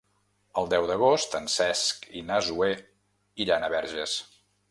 El deu d'agost en Cesc i na Zoè iran a Verges.